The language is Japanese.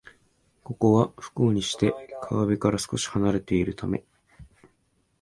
ここは、不幸にして川辺から少しはなれているため